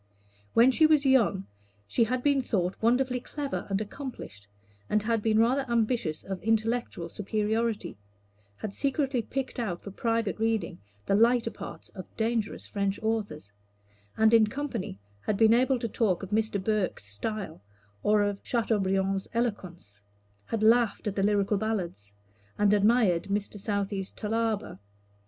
When she was young she had been thought wonderfully clever and accomplished, and had been rather ambitious of intellectual superiority had secretly picked out for private reading the higher parts of dangerous French authors and in company had been able to talk of Mr. Burke's style, or of Chateaubriand's eloquence had laughed at the Lyrical Ballads, and admired Mr. Southey's Thalaba.